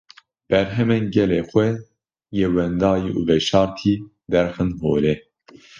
berhemên gelê xwe yê wendayî û veşartî derxin holê.